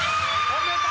止めた！